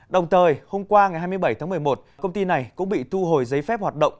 đồng thời hôm qua ngày hai mươi bảy tháng một mươi một công ty này cũng bị thu hồi giấy phép hoạt động